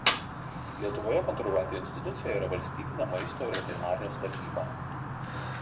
Lietuvoje kontroliuojanti institucija yra Valstybinė maisto ir veterinarijos tarnyba.